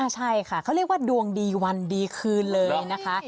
ใช่ค่ะเขาเรียกว่าดวงดีวันดีคืนเลยนะคะ